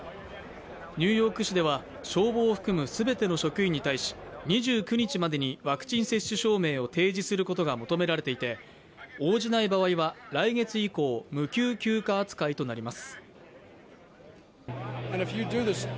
ニューヨーク市では消防を含む全ての職員に対し２９日までにワクチン接種証明を提示することが求められていて応じない場合は来月以降、無給休暇扱いとなります。